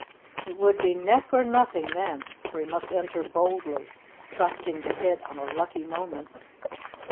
It would be neck or nothing then, for he must enter boldly, trusting to hit on a lucky moment.